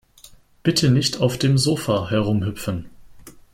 Bitte nicht auf dem Sofa herumhüpfen.